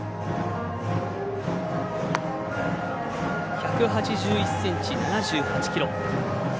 １８１ｃｍ、７８ｋｇ。